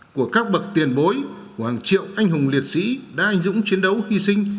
của các bậc tiền bối của hàng triệu anh hùng liệt sĩ đã anh dũng chiến đấu hy sinh